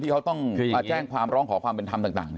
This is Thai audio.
เขาต้องมาแจ้งความร้องขอความเป็นธรรมต่าง